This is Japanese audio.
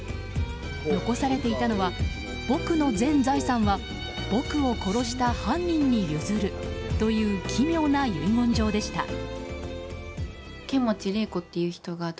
残されていたのは僕の全財産は僕を殺した犯人に譲るという奇妙な遺言状でした。